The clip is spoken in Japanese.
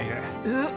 えっ？